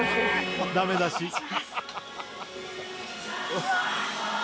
うわ。